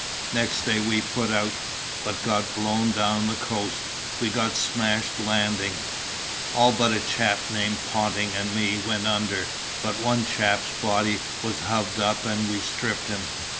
Next day we put out, but got blown down the coast; we got smashed landing; all but a chap named Ponting and me went under, but one chap's body was hove up and we stripped him.